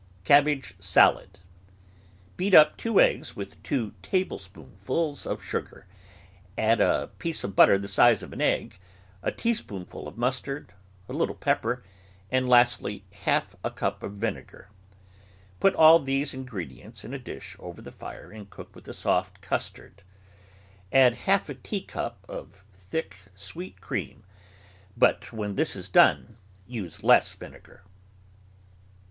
CABBAGE SALAD Beat up two eggs with two tablespoonfuls of sugar, add a piece of butter the size of half an egg, a teaspoonful of mustard, a little pepper, and lastly half a cup of vinegar. Put all these ingredi ents in a dish over the fire and cook like a soft custard. Add half a teacup of thick, sweet cream, but when this is done use less vinegar.